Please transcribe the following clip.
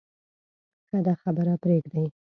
ښه ده خبره پرېږدې.